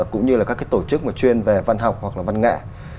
cũng như các tổ chức chuyên về văn học hoặc là văn nghệ